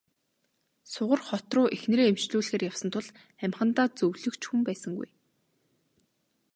Сугар хот руу эхнэрээ эмчлүүлэхээр явсан тул амьхандаа зөвлөх ч хүн байсангүй.